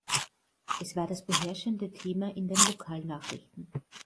Es war das beherrschende Thema in den Lokalnachrichten.